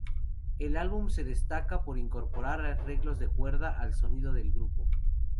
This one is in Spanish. El álbum se destaca por incorporar arreglos de cuerda al sonido del grupo.